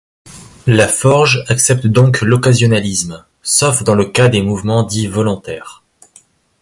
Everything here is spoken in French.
La Forge accepte donc l’occasionalisme sauf dans le cas des mouvements dits volontaires.